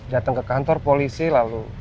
datang ke kantor polisi lalu